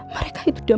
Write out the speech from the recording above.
mereka itu udah